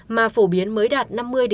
mà phổ biến mới đạt năm mươi bảy mươi